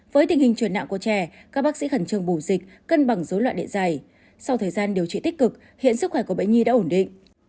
với tình hình chuyển nặng của trẻ các bác sĩ khẩn trương bù dịch cân bằng dối loạn đệ giày sau thời gian điều trị tích cực hiện sức khỏe của bệnh nhi đã ổn định